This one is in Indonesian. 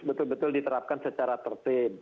betul betul diterapkan secara tertib